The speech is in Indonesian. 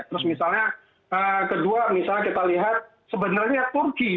terus misalnya kedua misalnya kita lihat sebenarnya turki